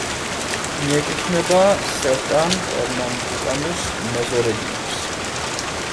მიეკუთვნება სერტან-პერნამბუკანუს მეზორეგიონს.